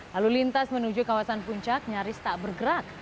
lalu lintas menuju kawasan puncak nyaris tak bergerak